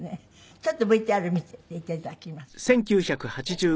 ちょっとＶＴＲ見ていただきます。